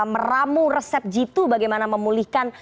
meramu resep jitu bagaimana memulihkan